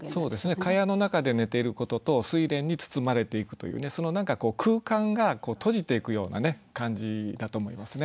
蚊帳の中で寝ていることと睡蓮に包まれていくというねその何か空間が閉じていくような感じだと思いますね。